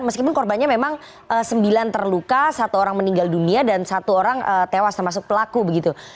meskipun korbannya memang sembilan terluka satu orang meninggal dunia dan satu orang tewas termasuk pelaku begitu